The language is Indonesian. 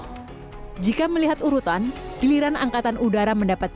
pemilihan kekuasaan dan kekuasaan untuk kekuasaan dan kekuasaan untuk kekuasaan